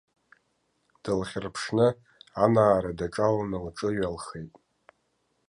Дылхьырԥшны, анаара даҿаланы лҿыҩалхеит.